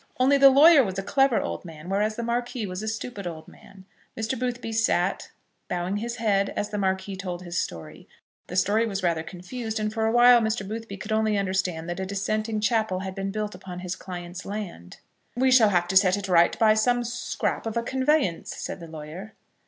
Only the lawyer was a clever old man, whereas the Marquis was a stupid old man. Mr. Boothby sat, bowing his head, as the Marquis told his story. The story was rather confused, and for awhile Mr. Boothby could only understand that a dissenting chapel had been built upon his client's land. "We shall have to set it right by some scrap of a conveyance," said the lawyer.